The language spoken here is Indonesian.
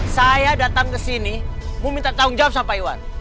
saya datang ke sini mau minta tanggung jawab sama iwan